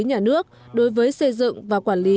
nhà nước đối với xây dựng và quản lý